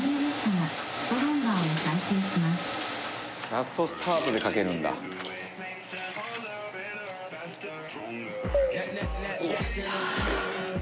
「ラストスパートでかけるんだ」よいしょ！